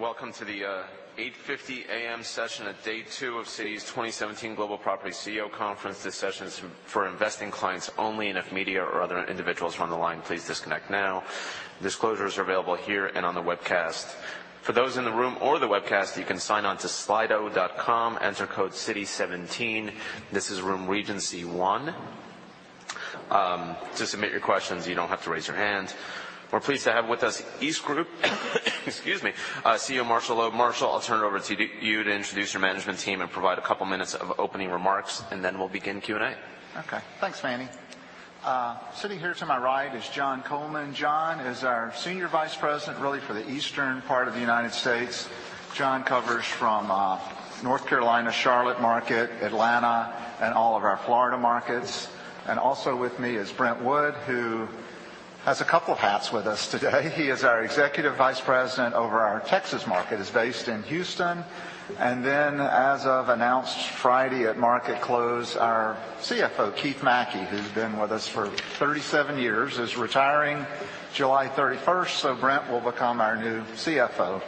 Welcome to the 8:50 A.M. session of day two of Citi's 2017 Global Property CEO Conference. This session is for investing clients only. If media or other individuals are on the line, please disconnect now. Disclosures are available here and on the webcast. For those in the room or the webcast, you can sign on to slido.com, enter code Citi17. This is room Regency One. To submit your questions, you don't have to raise your hand. We're pleased to have with us EastGroup CEO Marshall Loeb. Marshall, I'll turn it over to you to introduce your management team and provide a couple minutes of opening remarks, then we'll begin Q&A. Okay. Thanks, Manny. Sitting here to my right is John Coleman. John is our senior vice president really for the eastern part of the U.S. John covers from North Carolina, Charlotte market, Atlanta, and all of our Florida markets. Also with me is Brent Wood, who has a couple of hats with us today. He is our executive vice president over our Texas market, is based in Houston. Then, as of announced Friday at market close, our CFO, Keith McKey, who's been with us for 37 years, is retiring July 31st. Brent will become our new CFO.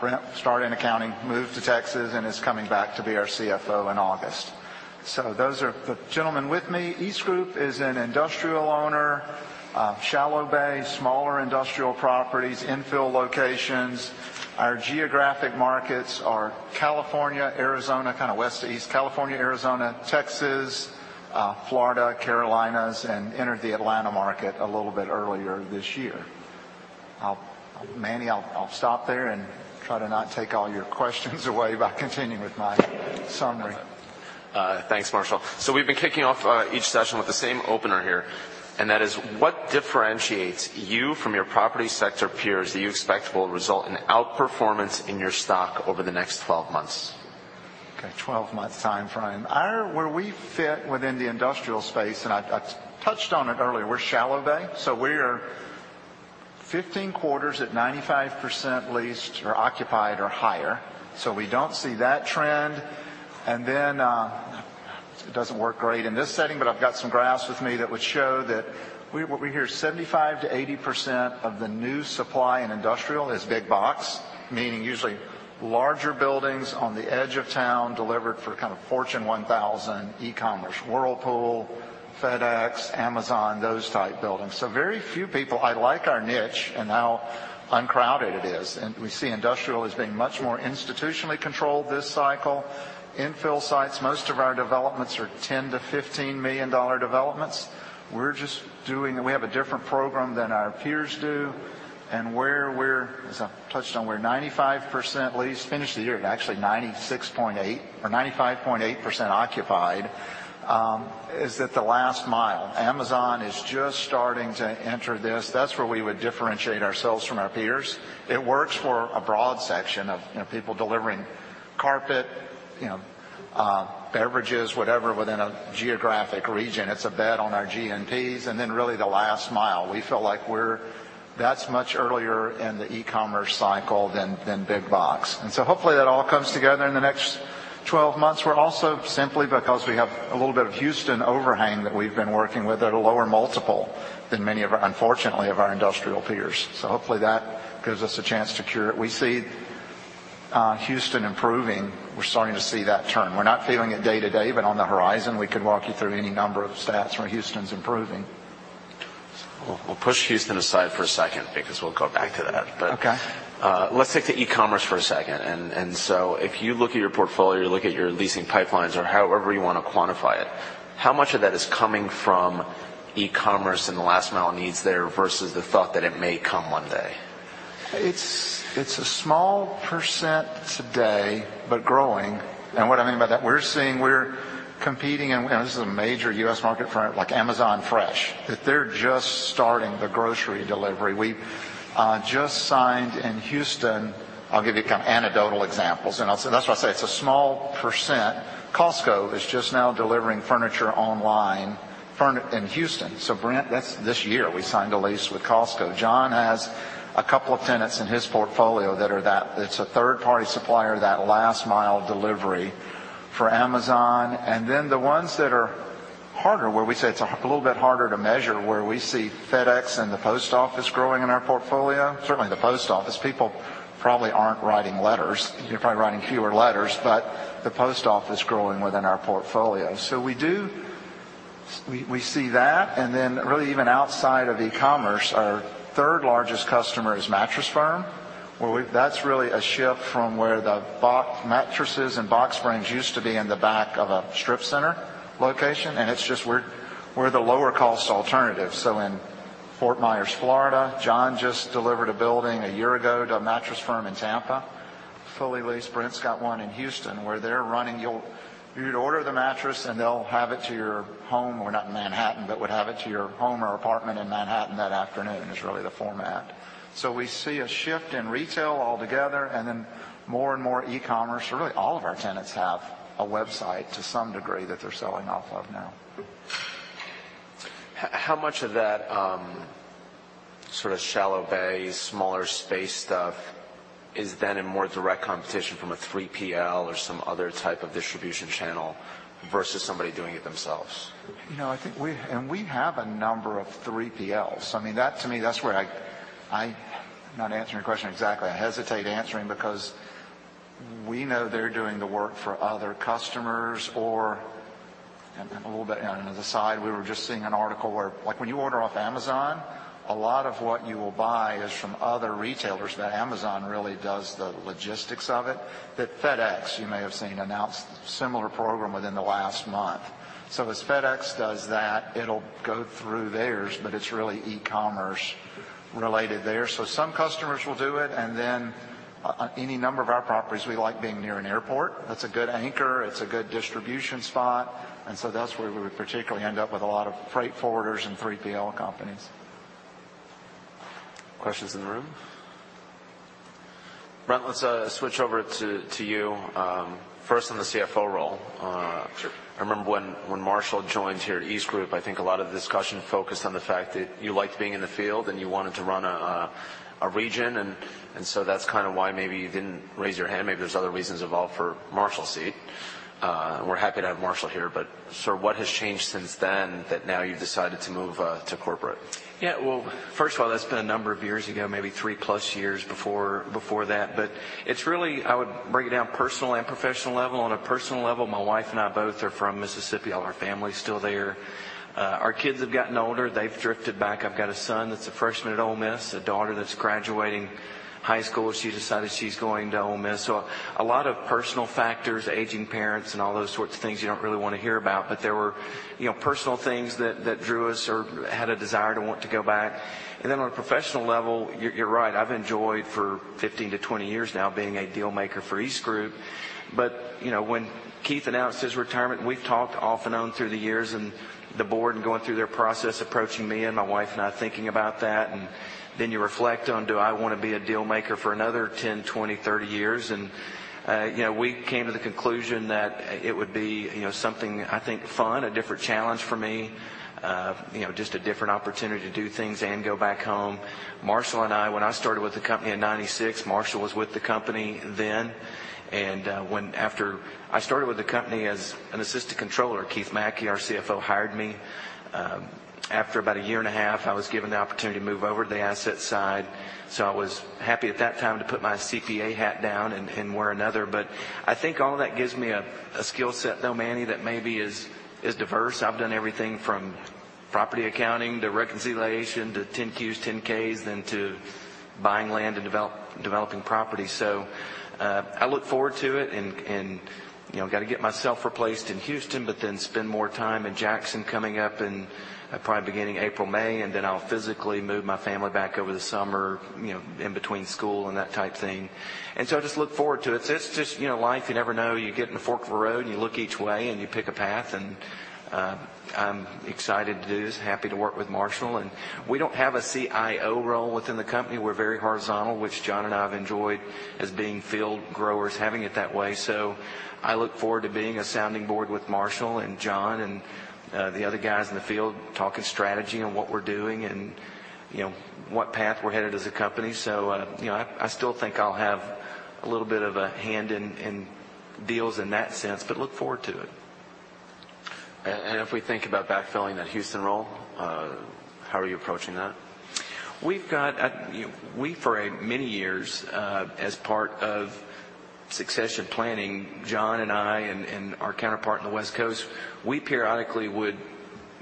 Brent started in accounting, moved to Texas, and is coming back to be our CFO in August. Those are the gentlemen with me. EastGroup is an industrial owner of shallow bay, smaller industrial properties, infill locations. Our geographic markets are California, Arizona, kind of west to east, California, Arizona, Texas, Florida, Carolinas, and entered the Atlanta market a little bit earlier this year. Manny, I'll stop there and try to not take all your questions away by continuing with my summary. Thanks, Marshall. We've been kicking off each session with the same opener here, and that is what differentiates you from your property sector peers that you expect will result in outperformance in your stock over the next 12 months? Okay, 12-month timeframe. Where we fit within the industrial space, I touched on it earlier, we're shallow bay. We're 15 quarters at 95% leased or occupied or higher. We don't see that trend. It doesn't work great in this setting, but I've got some graphs with me that would show that we're 75%-80% of the new supply in industrial is big box, meaning usually larger buildings on the edge of town delivered for kind of Fortune 1000, e-commerce, Whirlpool, FedEx, Amazon, those type buildings. Very few people. I like our niche and how uncrowded it is. We see industrial as being much more institutionally controlled this cycle. Infill sites, most of our developments are $10 million-$15 million developments. We have a different program than our peers do. As I've touched on, we're 95% leased. Finished the year at actually 96.8% or 95.8% occupied. Is that the last mile? Amazon is just starting to enter this. That's where we would differentiate ourselves from our peers. It works for a broad section of people delivering carpet, beverages, whatever, within a geographic region. It's a bet on our GNPs. Really the last mile. We feel like that's much earlier in the e-commerce cycle than big box. Hopefully, that all comes together in the next 12 months. We're also, simply because we have a little bit of Houston overhang that we've been working with at a lower multiple than many of our, unfortunately, of our industrial peers. Hopefully, that gives us a chance to cure it. We see Houston improving. We're starting to see that turn. We're not feeling it day-to-day, but on the horizon, we could walk you through any number of stats where Houston's improving. We'll push Houston aside for a second because we'll come back to that. Okay. Let's stick to e-commerce for a second. If you look at your portfolio, look at your leasing pipelines or however you want to quantify it, how much of that is coming from e-commerce and the last mile needs there versus the thought that it may come one day? It's a small % today, but growing. What I mean by that, we're competing, and this is a major U.S. market front, like Amazon Fresh. They're just starting the grocery delivery. We just signed in Houston. I'll give you kind of anecdotal examples. That's why I say it's a small %. Costco is just now delivering furniture online in Houston. Brent, this year, we signed a lease with Costco. John has a couple of tenants in his portfolio that it's a third-party supplier, that last mile delivery for Amazon. The ones that are harder, where we say it's a little bit harder to measure, where we see FedEx and the post office growing in our portfolio. Certainly, the post office. People probably aren't writing letters. They're probably writing fewer letters, but the post office growing within our portfolio. We see that, really even outside of e-commerce, our third largest customer is Mattress Firm, where that's really a shift from where the mattresses and box springs used to be in the back of a strip center location, and it's just we're the lower cost alternative. In Fort Myers, Florida, John just delivered a building a year ago to a Mattress Firm in Tampa, fully leased. Brent's got one in Houston where they're running. You'd order the mattress, and they'll have it to your home, or not in Manhattan, but would have it to your home or apartment in Manhattan that afternoon, is really the format. We see a shift in retail altogether and then more and more e-commerce. Really, all of our tenants have a website to some degree that they're selling off of now. How much of that sort of shallow bay, smaller space stuff is then in more direct competition from a 3PL or some other type of distribution channel versus somebody doing it themselves? We have a number of 3PLs. I mean, that to me, that's where I'm not answering your question exactly. I hesitate answering because we know they're doing the work for other customers. A little bit on another side, we were just seeing an article where when you order off Amazon, a lot of what you will buy is from other retailers, but Amazon really does the logistics of it. FedEx, you may have seen, announced a similar program within the last month. As FedEx does that, it'll go through theirs, but it's really e-commerce related there. Some customers will do it, then any number of our properties, we like being near an airport. That's a good anchor. It's a good distribution spot. That's where we would particularly end up with a lot of freight forwarders and 3PL companies. Questions in the room? Brent, let's switch over to you. First on the CFO role. Sure. I remember when Marshall joined here at EastGroup, I think a lot of the discussion focused on the fact that you liked being in the field, and you wanted to run a region, that's kind of why maybe you didn't raise your hand. Maybe there's other reasons evolved for Marshall's seat. We're happy to have Marshall here, what has changed since then that now you've decided to move to corporate? First of all, that's been a number of years ago, maybe three-plus years before that. It's really, I would break it down personal and professional level. On a personal level, my wife and I both are from Mississippi. All our family's still there. Our kids have gotten older. They've drifted back. I've got a son that's a freshman at Ole Miss, a daughter that's graduating high school, and she decided she's going to Ole Miss. A lot of personal factors, aging parents, and all those sorts of things you don't really want to hear about, but there were personal things that drew us or had a desire to want to go back. On a professional level, you're right. I've enjoyed for 15 to 20 years now being a deal maker for EastGroup. When Keith announced his retirement, we've talked off and on through the years, the board, going through their process, approaching me, my wife and I thinking about that. You reflect on, do I want to be a deal maker for another 10, 20, 30 years? We came to the conclusion that it would be something, I think, fun, a different challenge for me, just a different opportunity to do things and go back home. Marshall and I, when I started with the company in 1996, Marshall was with the company then. I started with the company as an assistant controller. Keith McKey, our CFO, hired me. After about a year and a half, I was given the opportunity to move over to the asset side. I was happy at that time to put my CPA hat down and wear another. I think all that gives me a skill set, though, Manny, that maybe is diverse. I've done everything from property accounting to reconciliation to 10-Qs, 10-Ks, then to buying land and developing property. I look forward to it, got to get myself replaced in Houston, spend more time in Jackson coming up in probably beginning April, May, I'll physically move my family back over the summer, in between school and that type thing. I just look forward to it. It's just life. You never know. You get in a fork of a road, you look each way, you pick a path, I'm excited to do this, happy to work with Marshall. We don't have a CIO role within the company. We're very horizontal, which John and I have enjoyed as being field growers, having it that way. I look forward to being a sounding board with Marshall and John and the other guys in the field, talking strategy on what we're doing and what path we're headed as a company. I still think I'll have a little bit of a hand in deals in that sense, but look forward to it. If we think about backfilling that Houston role, how are you approaching that? We, for many years, as part of succession planning, John and I and our counterpart on the West Coast, we periodically would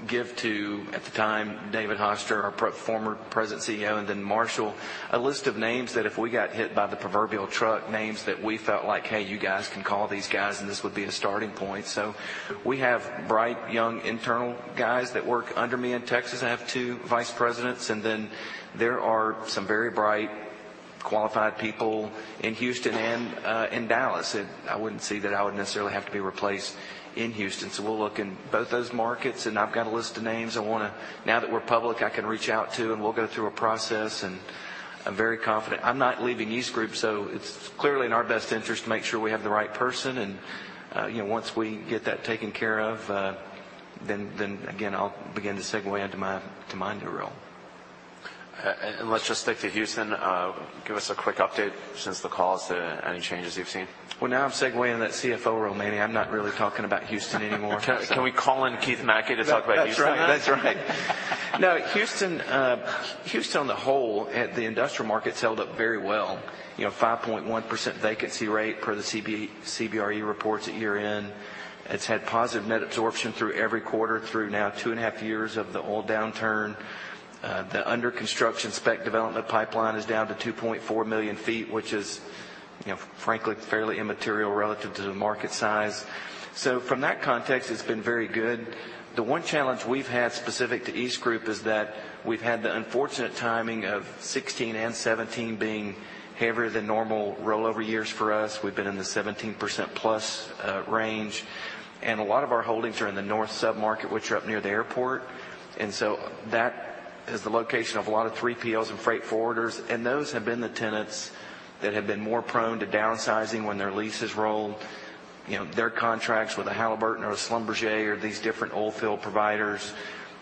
give to, at the time, David Hoster, our former President CEO, and then Marshall, a list of names that if we got hit by the proverbial truck, names that we felt like, "Hey, you guys can call these guys, and this would be a starting point." We have bright, young internal guys that work under me in Texas. I have two Vice Presidents, and then there are some very bright, qualified people in Houston and in Dallas. I wouldn't say that I would necessarily have to be replaced in Houston. We'll look in both those markets, and I've got a list of names I want to, now that we're public, I can reach out to, and we'll go through a process, and I'm very confident. I'm not leaving EastGroup, it's clearly in our best interest to make sure we have the right person. Once we get that taken care of, again, I'll begin to segue into my new role. Let's just stick to Houston. Give us a quick update since the call as to any changes you've seen. Well, now I'm segueing that CFO role, Manny. I'm not really talking about Houston anymore. Can we call in Keith McKey to talk about Houston then? That's right. No, Houston on the whole, the industrial market's held up very well, 5.1% vacancy rate per the CBRE reports at year-end. It's had positive net absorption through every quarter through now two and a half years of the oil downturn. The under-construction spec development pipeline is down to 2.4 million feet, which is frankly fairly immaterial relative to the market size. From that context, it's been very good. The one challenge we've had specific to EastGroup is that we've had the unfortunate timing of 2016 and 2017 being heavier than normal rollover years for us. We've been in the 17%-plus range. A lot of our holdings are in the north sub-market, which are up near the airport. That is the location of a lot of 3PLs and freight forwarders, and those have been the tenants that have been more prone to downsizing when their leases roll. Their contracts with a Halliburton or a Schlumberger or these different oilfield providers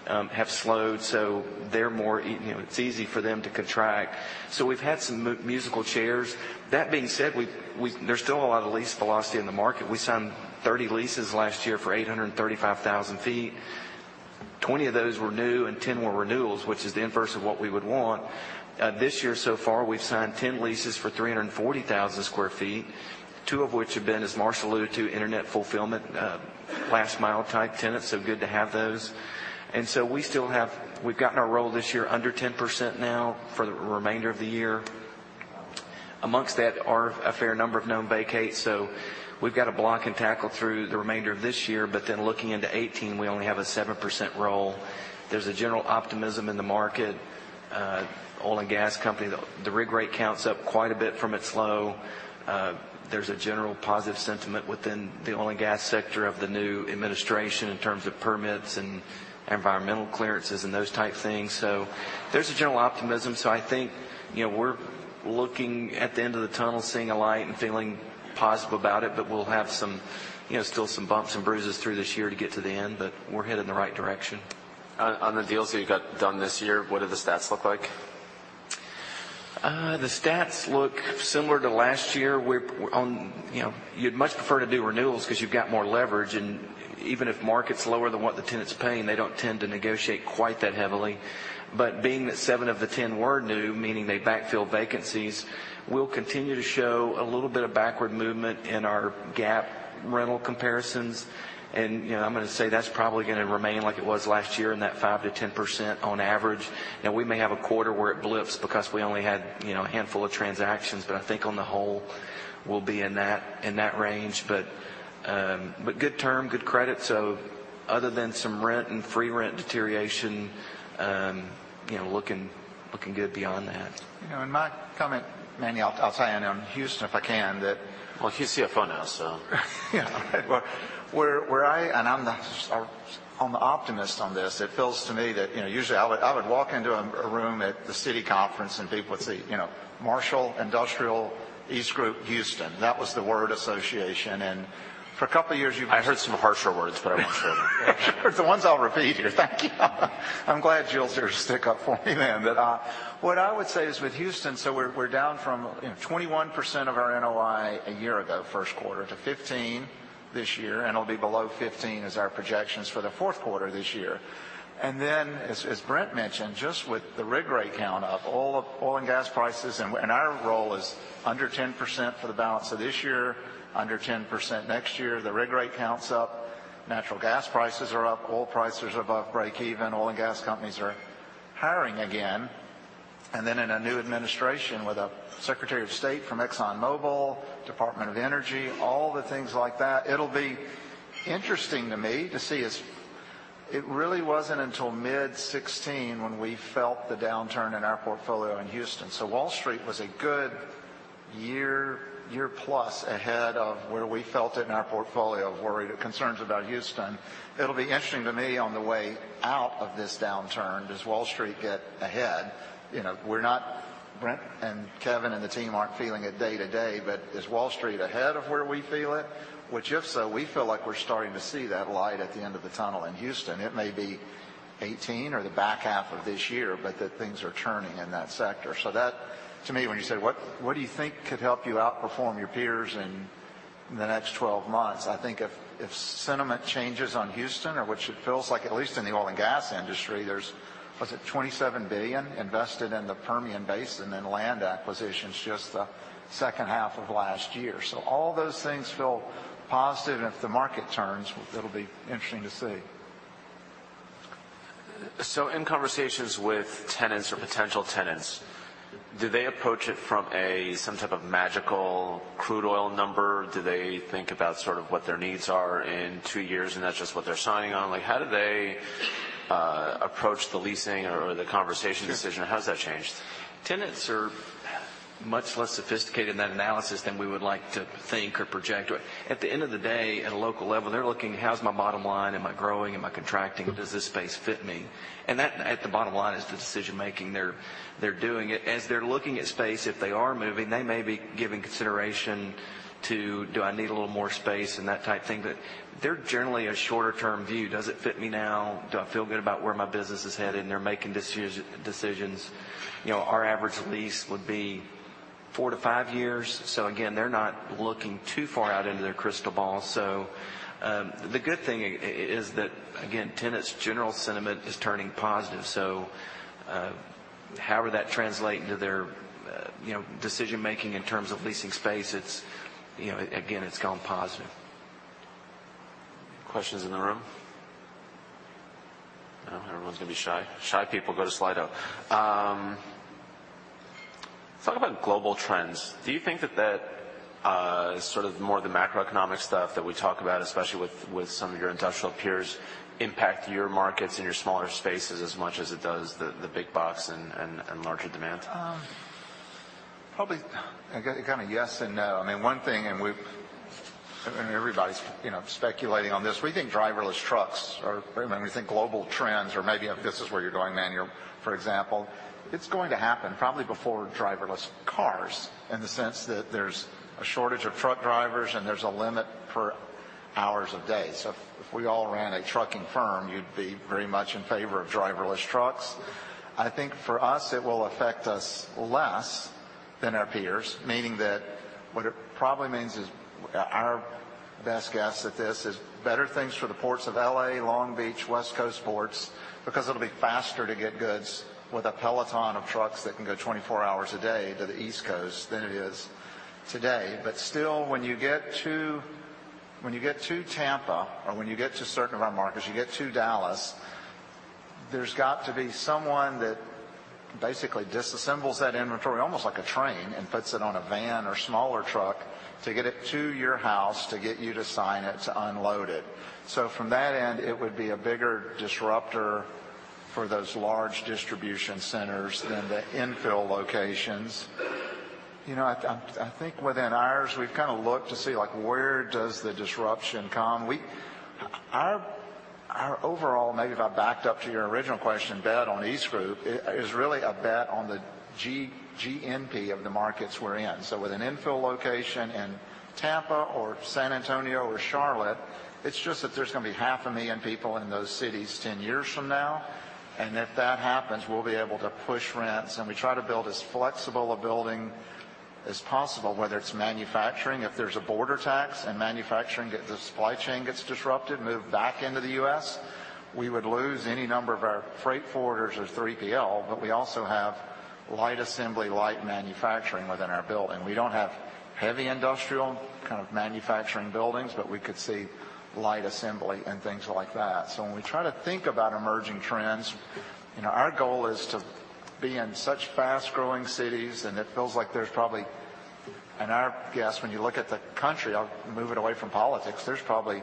have slowed, so it's easy for them to contract. We've had some musical chairs. That being said, there's still a lot of lease velocity in the market. We signed 30 leases last year for 835,000 feet. 20 of those were new and 10 were renewals, which is the inverse of what we would want. This year so far, we've signed 10 leases for 340,000 square feet, two of which have been, as Marshall alluded to, internet fulfillment, last mile type tenants, so good to have those. We've gotten our roll this year under 10% now for the remainder of the year. Amongst that are a fair number of known vacates, so we've got to block and tackle through the remainder of this year. Looking into 2018, we only have a 7% roll. There's a general optimism in the market. Oil and gas company, the rig rate counts up quite a bit from its low. There's a general positive sentiment within the oil and gas sector of the new administration in terms of permits and environmental clearances and those type things. There's a general optimism. I think we're looking at the end of the tunnel, seeing a light, and feeling positive about it, but we'll have still some bumps and bruises through this year to get to the end, but we're headed in the right direction. On the deals that you got done this year, what do the stats look like? The stats look similar to last year. You'd much prefer to do renewals because you've got more leverage, and even if market's lower than what the tenant's paying, they don't tend to negotiate quite that heavily. Being that seven of the 10 were new, meaning they backfill vacancies, we'll continue to show a little bit of backward movement in our GAAP rental comparisons, and I'm going to say that's probably going to remain like it was last year in that 5%-10% on average. We may have a quarter where it blips because we only had a handful of transactions, I think on the whole, we'll be in that range. Good term, good credit. Other than some rent and free rent deterioration, looking good beyond that. In my comment, Manny, I'll tie in Houston, if I can. You CFO now. I'm the optimist on this. It feels to me that, usually I would walk into a room at the Citi conference, people would say, "Marshall Industrial EastGroup, Houston." That was the word association. For a couple of years, you've- I heard some harsher words, I won't share them. The ones I'll repeat here. Thank you. I'm glad you'll stick up for me then. What I would say is with Houston, we're down from 21% of our NOI a year ago, first quarter, to 15 this year, and it'll be below 15 as our projections for the fourth quarter this year. As Brent mentioned, just with the rig rate count up, oil and gas prices, our roll is under 10% for the balance of this year, under 10% next year. The rig rate count's up. Natural gas prices are up. Oil prices are above breakeven. Oil and gas companies are hiring again. In a new administration, with a Secretary of State from ExxonMobil, Department of Energy, all the things like that, it'll be interesting to me to see. It really wasn't until mid 2016 when we felt the downturn in our portfolio in Houston. Wall Street was a good year plus ahead of where we felt it in our portfolio, worried with concerns about Houston. It'll be interesting to me on the way out of this downturn, does Wall Street get ahead? Brent and Kevin and the team aren't feeling it day to day, but is Wall Street ahead of where we feel it? If so, we feel like we're starting to see that light at the end of the tunnel in Houston. It may be 2018 or the back half of this year, but that things are turning in that sector. That, to me, when you say, "What do you think could help you outperform your peers in the next 12 months?" I think if sentiment changes on Houston, or which it feels like, at least in the oil and gas industry, there's, was it $27 billion invested in the Permian Basin in land acquisitions just the second half of last year. All those things feel positive, and if the market turns, it'll be interesting to see. In conversations with tenants or potential tenants, do they approach it from some type of magical crude oil number? Do they think about sort of what their needs are in two years, and that's just what they're signing on? How do they approach the leasing or the conversation decision? Sure. How has that changed? Tenants are much less sophisticated in that analysis than we would like to think or project. At the end of the day, at a local level, they're looking, "How's my bottom line? Am I growing? Am I contracting? Does this space fit me?" That, at the bottom line, is the decision-making. They're doing it. As they're looking at space, if they are moving, they may be giving consideration to, "Do I need a little more space?" and that type thing. They're generally a shorter-term view. "Does it fit me now? Do I feel good about where my business is headed?" They're making decisions. Our average lease would be four to five years. Again, they're not looking too far out into their crystal ball. The good thing is that, again, tenants' general sentiment is turning positive. However that translate into their decision-making in terms of leasing space, again, it's gone positive. Questions in the room? No, everyone's going to be shy. Shy people go to Slido. Talk about global trends. Do you think that that sort of more the macroeconomic stuff that we talk about, especially with some of your industrial peers, impact your markets and your smaller spaces as much as it does the big box and larger demand? Probably, kind of yes and no. Everybody's speculating on this. We think driverless trucks are When we think global trends, or maybe if this is where you're going, Manny, for example, it's going to happen probably before driverless cars, in the sense that there's a shortage of truck drivers, and there's a limit for hours of day. If we all ran a trucking firm, you'd be very much in favor of driverless trucks. I think for us, it will affect us less than our peers, meaning that what it probably means is our best guess at this is better things for the ports of L.A., Long Beach, West Coast ports, because it'll be faster to get goods with a peloton of trucks that can go 24 hours a day to the East Coast than it is today. Still, when you get to Tampa or when you get to certain of our markets, you get to Dallas, there's got to be someone that basically disassembles that inventory, almost like a train, and puts it on a van or smaller truck to get it to your house, to get you to sign it, to unload it. From that end, it would be a bigger disruptor for those large distribution centers than the infill locations. I think within ours, we've kind of looked to see, where does the disruption come? Our overall, maybe if I backed up to your original question, bet on EastGroup, is really a bet on the GNP of the markets we're in. With an infill location in Tampa or San Antonio or Charlotte, it's just that there's going to be half a million people in those cities 10 years from now. If that happens, we'll be able to push rents. We try to build as flexible a building as possible, whether it's manufacturing. If there's a border tax and manufacturing, the supply chain gets disrupted, moved back into the U.S., we would lose any number of our freight forwarders or 3PL, but we also have light assembly, light manufacturing within our building. We don't have heavy industrial kind of manufacturing buildings, but we could see light assembly and things like that. When we try to think about emerging trends, our goal is to be in such fast-growing cities, and it feels like there's probably, in our guess, when you look at the country, I'll move it away from politics. There's probably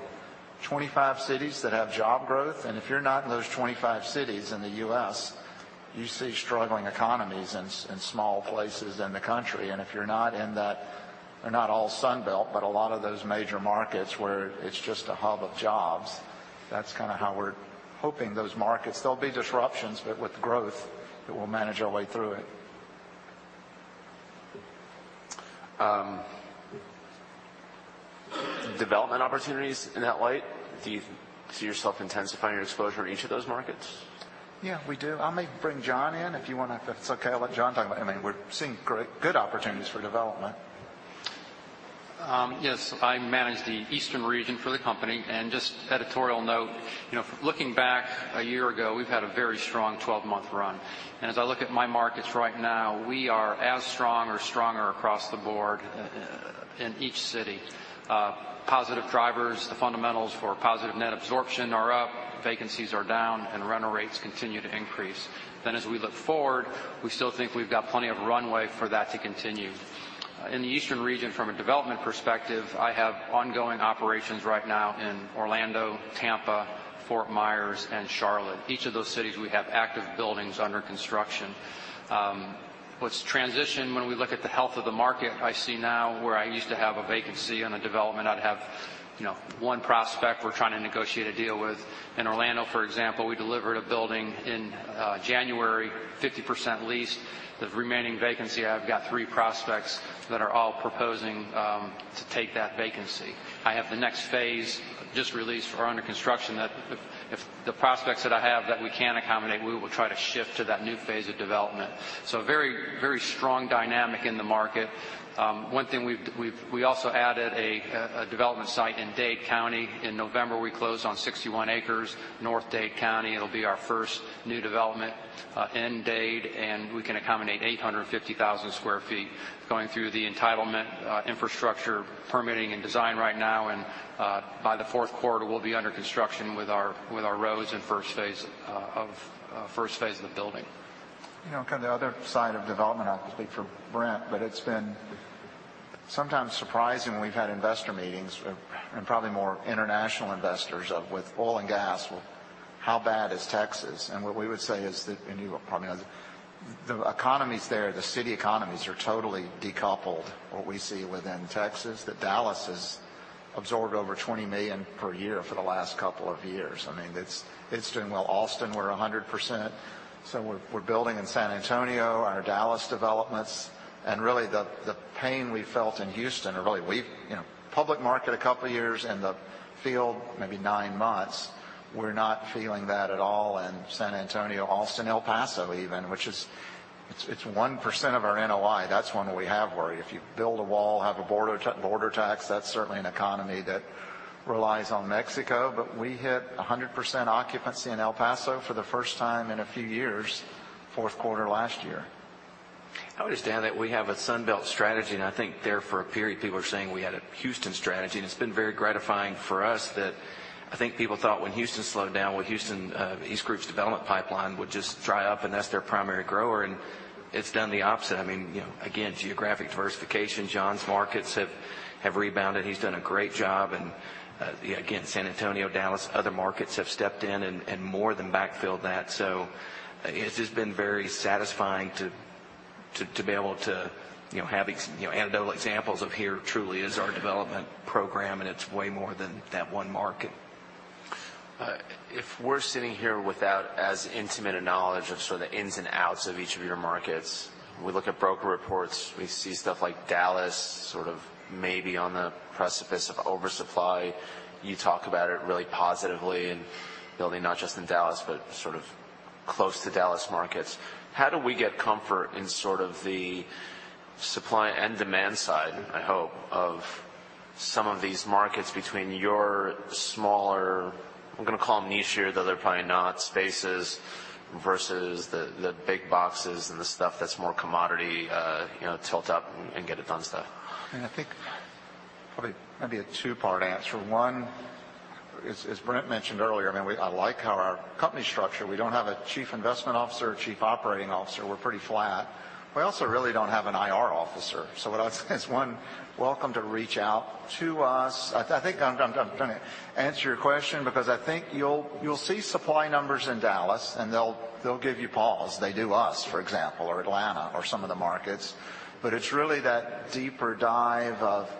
25 cities that have job growth, and if you're not in those 25 cities in the U.S., you see struggling economies in small places in the country. If you're not in that, they're not all Sun Belt, but a lot of those major markets where it's just a hub of jobs. That's kind of how we're hoping those markets. There'll be disruptions, but with growth, but we'll manage our way through it. Development opportunities in that light. Do you see yourself intensifying your exposure in each of those markets? Yeah, we do. I may bring John in if it's okay. I'll let John talk about it. We're seeing good opportunities for development. Yes, I manage the Eastern region for the company. Just editorial note, looking back a year ago, we've had a very strong 12-month run. As I look at my markets right now, we are as strong or stronger across the board in each city. Positive drivers, the fundamentals for positive net absorption are up, vacancies are down, and rental rates continue to increase. As we look forward, we still think we've got plenty of runway for that to continue. In the Eastern region, from a development perspective, I have ongoing operations right now in Orlando, Tampa, Fort Myers, and Charlotte. Each of those cities, we have active buildings under construction. Let's transition. When we look at the health of the market, I see now where I used to have a vacancy on a development, I'd have one prospect we're trying to negotiate a deal with. In Orlando, for example, we delivered a building in January, 50% leased. The remaining vacancy, I've got three prospects that are all proposing to take that vacancy. I have the next phase just released for under construction that if the prospects that I have that we can't accommodate, we will try to shift to that new phase of development. Very strong dynamic in the market. One thing, we also added a development site in Dade County. In November, we closed on 61 acres, North Dade County. It'll be our first new development in Dade, and we can accommodate 850,000 sq ft. Going through the entitlement, infrastructure permitting and design right now, and by the fourth quarter, we'll be under construction with our roads and first phase of the building. The other side of development, I'll speak for Brent, but it's been sometimes surprising when we've had investor meetings and probably more international investors of with oil and gas. "How bad is Texas?" What we would say is that, and you probably know this, the economies there, the city economies are totally decoupled. What we see within Texas, that Dallas has absorbed over 20 million per year for the last couple of years. It's doing well. Austin, we're 100%. We're building in San Antonio, our Dallas developments, and really the pain we felt in Houston, or really public market a couple of years and the field maybe nine months, we're not feeling that at all in San Antonio, Austin, El Paso even, which it's 1% of our NOI. That's one that we have worry. If you build a wall, have a border tax, that's certainly an economy that relies on Mexico. We hit 100% occupancy in El Paso for the first time in a few years, fourth quarter last year. I understand that we have a Sun Belt strategy, and I think there for a period people are saying we had a Houston strategy, and it's been very gratifying for us that I think people thought when Houston slowed down, Houston, EastGroup's development pipeline would just dry up and that's their primary grower, and it's done the opposite. Again, geographic diversification. John's markets have rebounded. He's done a great job. San Antonio, Dallas, other markets have stepped in and more than backfilled that. So it's just been very satisfying to be able to have anecdotal examples of here truly is our development program, and it's way more than that one market. If we're sitting here without as intimate a knowledge of sort of the ins and outs of each of your markets, we look at broker reports, we see stuff like Dallas sort of maybe on the precipice of oversupply. You talk about it really positively and building not just in Dallas, but sort of- close to Dallas markets. How do we get comfort in sort of the supply and demand side, I hope, of some of these markets between your smaller, I'm going to call them niche-ier, though they're probably not, spaces versus the big boxes and the stuff that's more commodity, tilt up and get it done stuff? I think probably maybe a two-part answer. One, as Brent mentioned earlier, I like our company structure. We don't have a chief investment officer, chief operating officer. We're pretty flat. We also really don't have an IR officer. So what I'd say is, one, welcome to reach out to us. I think I'm going to answer your question because I think you'll see supply numbers in Dallas, and they'll give you pause. They do us, for example, or Atlanta or some of the markets. But it's really that deeper dive of,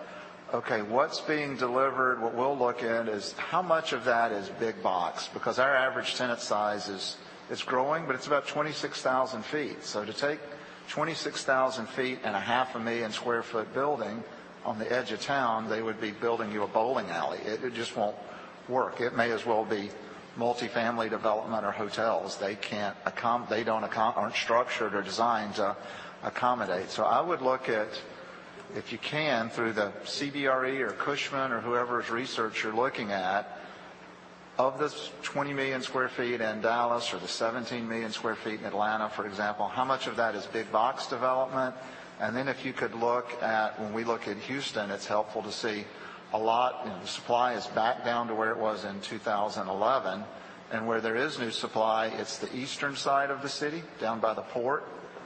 okay, what's being delivered? What we'll look at is how much of that is big box, because our average tenant size is growing, but it's about 26,000 feet. So to take 26,000 feet and a half a million square foot building on the edge of town, they would be building you a bowling alley. It just won't work. It may as well be multi-family development or hotels. They aren't structured or designed to accommodate. I would look at, if you can, through the CBRE or Cushman & Wakefield or whoever's research you're looking at, of this 20 million square feet in Dallas or the 17 million square feet in Atlanta, for example, how much of that is big box development? If you could look at, when we look at Houston, it's helpful to see a lot. The supply is back down to where it was in 2011. Where there is new supply, it's the eastern side of the city down by the port,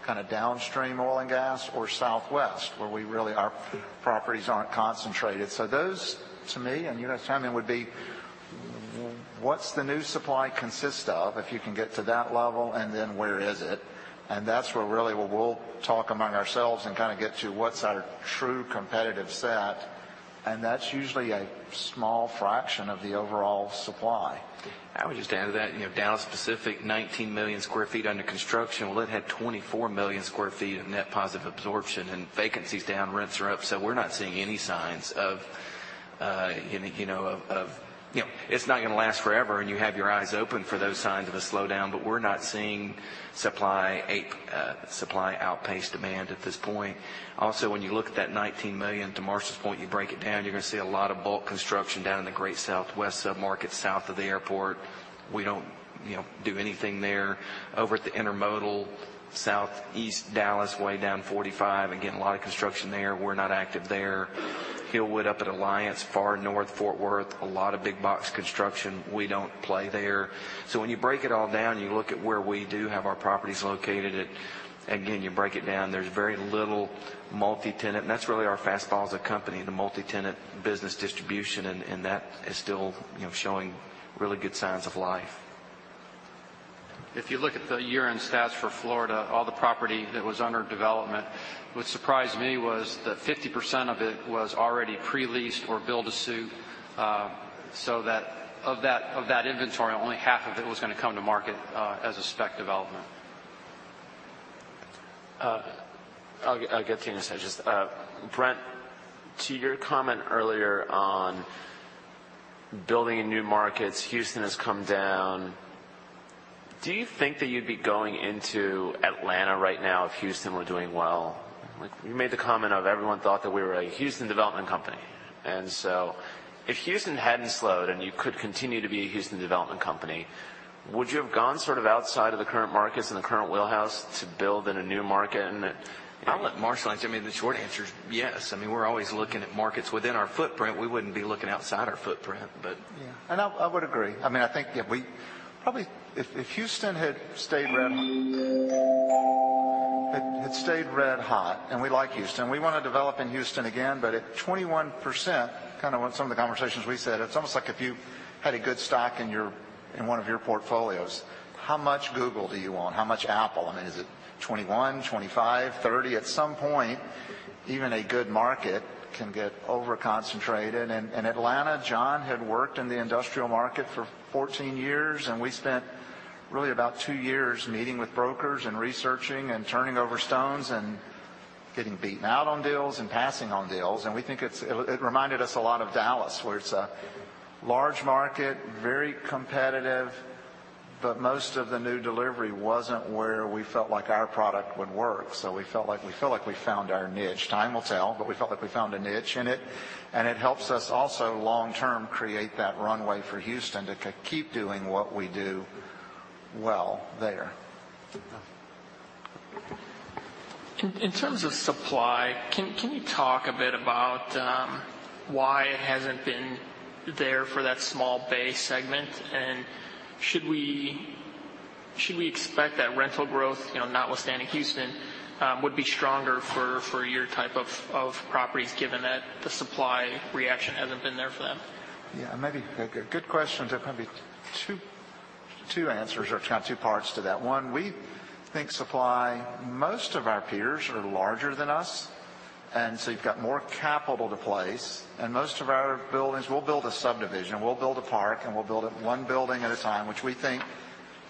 kind of downstream oil and gas, or southwest, where our properties aren't concentrated. Those to me and you guys chime in, would be what's the new supply consist of, if you can get to that level, and then where is it? That's where really we'll talk among ourselves and kind of get to what's our true competitive set, and that's usually a small fraction of the overall supply. I would just add to that, Dallas specific, 19 million square feet under construction. It had 24 million square feet of net positive absorption and vacancy's down, rents are up. We're not seeing any signs of It's not going to last forever, and you have your eyes open for those signs of a slowdown. We're not seeing supply outpace demand at this point. When you look at that 19 million, to Marsh's point, you break it down, you're going to see a lot of bulk construction down in the Great Southwest sub-market south of the airport. We don't do anything there. Over at the intermodal, Southeast Dallas, way down 45, again, a lot of construction there. We're not active there. Hillwood up at Alliance, far north Fort Worth, a lot of big box construction. We don't play there. When you break it all down, you look at where we do have our properties located, and again, you break it down, there's very little multi-tenant. That's really our fastball as a company, the multi-tenant business distribution, and that is still showing really good signs of life. If you look at the year-end stats for Florida, all the property that was under development, what surprised me was that 50% of it was already pre-leased or build to suit. Of that inventory, only half of it was going to come to market as a spec development. I'll get to you in a second. Just, Brent, to your comment earlier on building in new markets, Houston has come down. Do you think that you'd be going into Atlanta right now if Houston were doing well? You made the comment of everyone thought that we were a Houston development company. If Houston hadn't slowed and you could continue to be a Houston development company, would you have gone sort of outside of the current markets and the current wheelhouse to build in a new market? I'll let Marshall answer. I mean, the short answer is yes. I mean, we're always looking at markets within our footprint. We wouldn't be looking outside our footprint. Yeah. I would agree. I mean, I think if Houston had stayed red hot. We like Houston. We want to develop in Houston again. At 21%, kind of in some of the conversations we said, it's almost like if you had a good stock in one of your portfolios. How much Google do you want? How much Apple? I mean, is it 21, 25, 30? At some point, even a good market can get over-concentrated. Atlanta, John had worked in the industrial market for 14 years, and we spent really about two years meeting with brokers and researching and turning over stones and getting beaten out on deals and passing on deals. It reminded us a lot of Dallas, where it's a large market, very competitive, but most of the new delivery wasn't where we felt like our product would work. We feel like we found our niche. Time will tell, but we felt like we found a niche in it, and it helps us also long-term create that runway for Houston to keep doing what we do well there. In terms of supply, can you talk a bit about why it hasn't been there for that shallow bay segment? Should we expect that rental growth, notwithstanding Houston, would be stronger for your type of properties, given that the supply reaction hasn't been there for them? Good question. There are probably two answers, or kind of two parts to that. One, we think supply, most of our peers are larger than us, you've got more capital to place. Most of our buildings, we'll build a subdivision, we'll build a park, and we'll build it one building at a time, which we think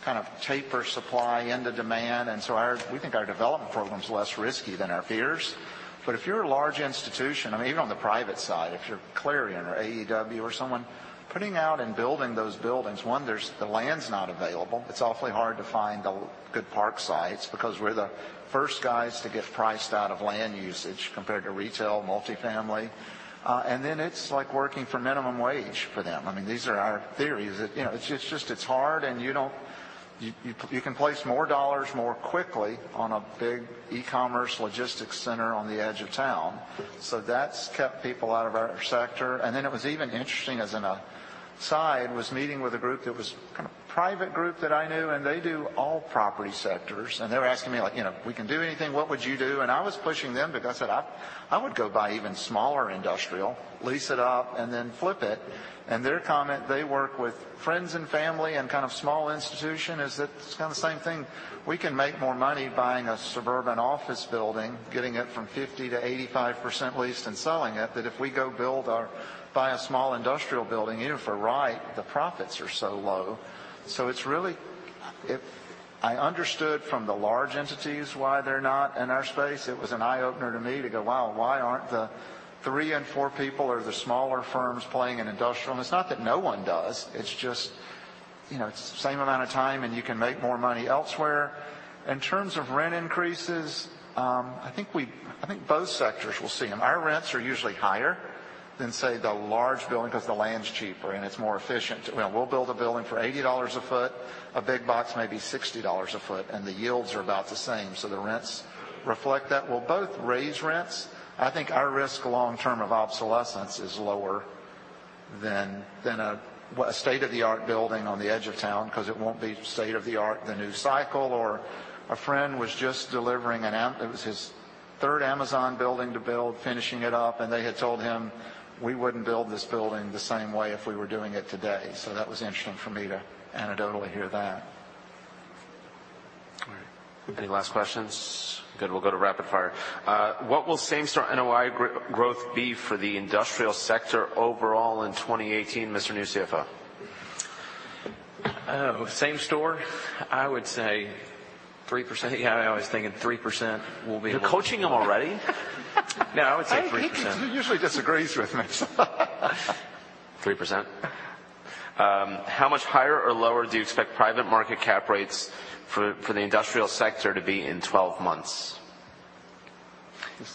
kind of taper supply into demand. We think our development program is less risky than our peers. If you're a large institution, even on the private side, if you're Clarion or AEW or someone, putting out and building those buildings, one, the land's not available. It's awfully hard to find the good park sites because we're the first guys to get priced out of land usage compared to retail, multi-family. It's like working for minimum wage for them. These are our theories. It's just hard, you can place more dollars more quickly on a big e-commerce logistics center on the edge of town. That's kept people out of our sector. It was even interesting, as in a side, was meeting with a group that was kind of a private group that I knew, and they do all property sectors. They were asking me, "If we can do anything, what would you do?" I was pushing them because I said, "I would go buy even smaller industrial, lease it up, and then flip it." Their comment, they work with friends and family and kind of small institution, is that it's kind of the same thing. We can make more money buying a suburban office building, getting it from 50%-85% leased and selling it, that if we go build or buy a small industrial building, even if we're right, the profits are so low. I understood from the large entities why they're not in our space. It was an eye-opener to me to go, "Wow, why aren't the 3 and 4 people or the smaller firms playing in industrial?" It's not that no one does. It's just, it's the same amount of time, and you can make more money elsewhere. In terms of rent increases, I think both sectors will see them. Our rents are usually higher than, say, the large building because the land's cheaper, and it's more efficient. We'll build a building for $80 a foot, a big box, maybe $60 a foot, and the yields are about the same, so the rents reflect that. We'll both raise rents. I think our risk long-term of obsolescence is lower than a state-of-the-art building on the edge of town because it won't be state-of-the-art the new cycle. A friend was just delivering his third Amazon building to build, finishing it up, and they had told him, "We wouldn't build this building the same way if we were doing it today." That was interesting for me to anecdotally hear that. All right. Any last questions? Good, we'll go to rapid fire. What will same-store NOI growth be for the industrial sector overall in 2018, Mr. New CFO? Same store? I would say 3%. Yeah, I was thinking 3% will be. You're coaching him already. No, I would say 3%. He usually disagrees with me. 3%. How much higher or lower do you expect private market cap rates for the industrial sector to be in 12 months?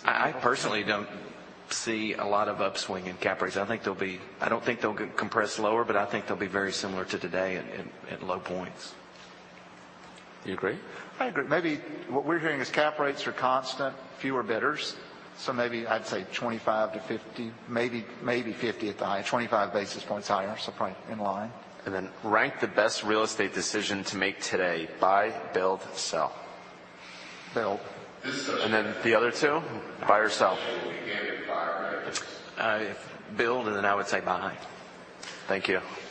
I personally don't see a lot of upswing in cap rates. I don't think they'll compress lower, I think they'll be very similar to today at low points. You agree? I agree. Maybe what we're hearing is cap rates are constant, fewer bidders. Maybe I'd say 25 to 50, maybe 50 at the high, 25 basis points higher, probably in line. Rank the best real estate decision to make today. Buy, build, sell. Build. The other two, buy or sell. We can't get buy or build. Build, I would say buy. Thank you.